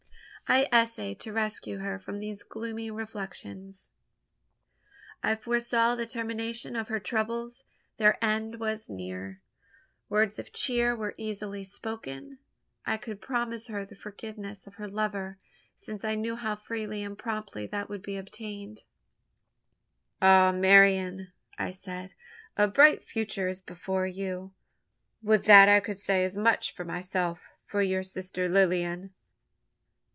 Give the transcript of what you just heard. I essayed to rescue her from these gloomy reflections. I foresaw the termination of her troubles. Their end was near. Words of cheer were easily spoken. I could promise her the forgiveness of her lover: since I knew how freely and promptly that would be obtained. "Ah, Marian," I said, "a bright future is before you. Would that I could say as much for myself for your sister Lilian!"